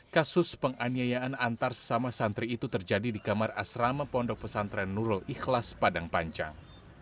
kasus penganiayaan antar sesama santri itu terjadi di kamar asrama pondok pesantren nurul ikhlas padang panjang